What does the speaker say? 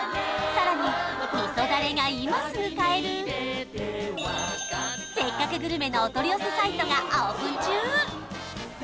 さらにみそダレが今すぐ買える「せっかくグルメ！！」のお取り寄せサイトがオープン中